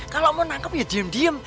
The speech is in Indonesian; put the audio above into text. kalau mau nangkep ya diem diem